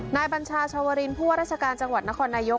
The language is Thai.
บัญชาชาวรินผู้ว่าราชการจังหวัดนครนายก